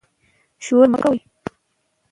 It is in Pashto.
شور مه کوئ